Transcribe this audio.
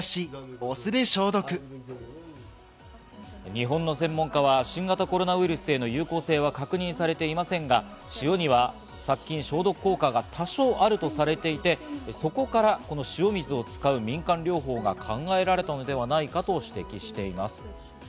日本の専門家は新型コロナウイルスへの有効性は確認されていませんが、塩には殺菌・消毒効果が多少あるとされていて、そこから塩水を使う民間療法が考えられたのではないかと指摘しています。